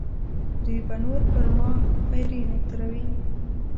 دوی به نور پر ما پیرې نه دروي.